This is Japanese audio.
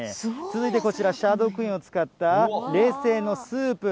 続いてこちら、シャドークイーンを使った冷製のスープ。